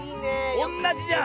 おんなじじゃん。